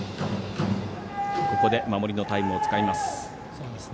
ここで守りのタイムを使います。